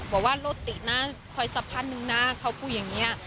บอกว่ารถติดนะคอยสักพักนึงนะเขาพูดอย่างนี้